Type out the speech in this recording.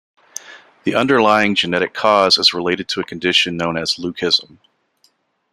The underlying genetic cause is related to a condition known as leucism.